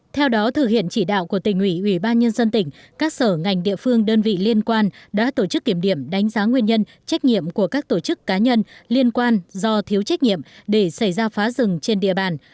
theo đó thực hiện chỉ đạo của tỉnh ủy ủy ban nhân dân tỉnh các sở ngành địa phương đơn vị liên quan đã tổ chức kiểm điểm đánh giá nguyên nhân trách nhiệm của các tổ chức cá nhân liên quan do thiếu trách nhiệm để xảy ra phá rừng trên địa bàn